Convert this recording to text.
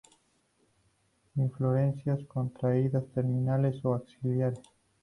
Inflorescencias contraídas, terminales o axilares.